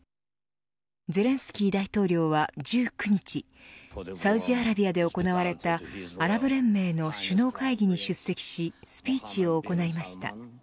ゼレンスキー大統領は１９日サウジアラビアで行われたアラブ連盟の首脳会議に出席しスピーチを行いました。